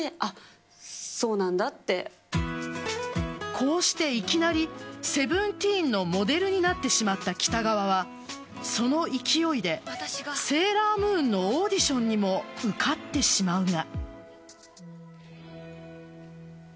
こうしていきなり「Ｓｅｖｅｎｔｅｅｎ」のモデルになってしまった北川はその勢いで「セーラームーン」のオーディションにも受かってしまうが。